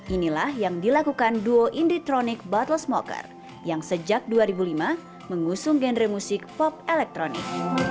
inilah yang dilakukan duo inditronic buttlesmoker yang sejak dua ribu lima mengusung genre musik pop elektronik